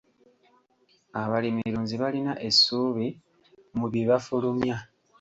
Abalimirunzi balina essuubi mu bye bafulumya.